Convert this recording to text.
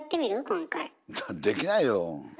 今回。できないよ。